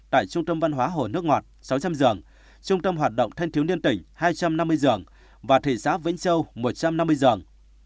tại trung tâm văn hóa hồ nước ngọt sáu trăm linh giường trung tâm hoạt động thanh thiếu niên tỉnh hai trăm năm mươi giường và thị xã vĩnh châu một trăm năm mươi giường